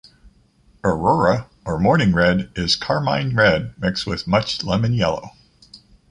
Aurora or morning red is carmine red mixed with much lemon yellow.